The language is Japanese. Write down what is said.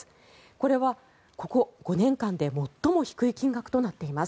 これはここ５年間で最も低い金額となっています。